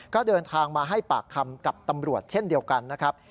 ก็เดินทางมาให้ปากคำกับตำรวจเช่นเดียวกันนะครับ